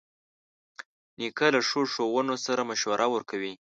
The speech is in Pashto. نیکه له ښو ښوونو سره مشوره ورکوي.